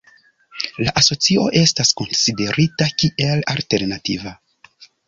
La asocio estas konsiderita kiel alternativa.